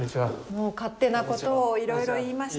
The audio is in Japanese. もう勝手なことをいろいろ言いました。